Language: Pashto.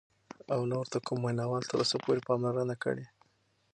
او نه ورته کوم وینا وال تر اوسه پوره پاملرنه کړې،